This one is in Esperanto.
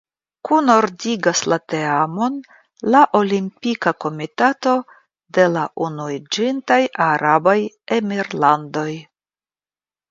Kunordigas la teamon la Olimpika Komitato de la Unuiĝintaj Arabaj Emirlandoj.